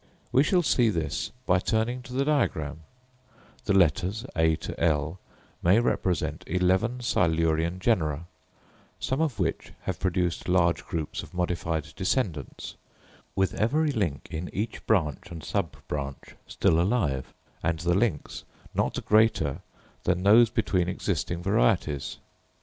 We shall see this by turning to the diagram: the letters, A to L, may represent eleven Silurian genera, some of which have produced large groups of modified descendants, with every link in each branch and sub branch still alive; and the links not greater than those between existing varieties.